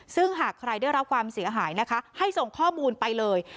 ซึ่งหากใครได้รับความเสียหายนะคะให้ส่งข้อมูลไปเลย